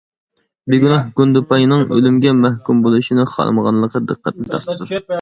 بىگۇناھ گۇندىپاينىڭ ئۆلۈمگە مەھكۇم بولۇشىنى خالىمىغانلىقى دىققەتنى تارتىدۇ.